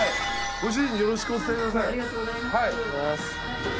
ご主人によろしくお伝えください。